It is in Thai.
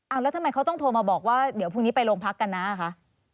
แล้วทำไมเขาต้องโทรมาบอกว่าเดี๋ยวพรุ่งนี้ไปโรงพักกันนะคะ